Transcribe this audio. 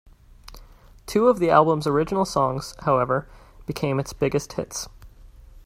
Two of the album's original songs, however, became its biggest hits.